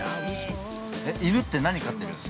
◆犬って何飼ってる？